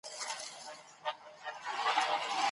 په ځانګړي ډول د اورنګزېب عالمګیر مخالفت یې وکړ